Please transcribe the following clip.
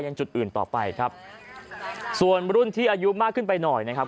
ยังจุดอื่นต่อไปครับส่วนรุ่นที่อายุมากขึ้นไปหน่อยนะครับ